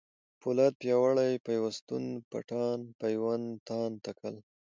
پولاد ، پیاوړی ، پيوستون ، پټان ، پېوند ، تاند ، تکل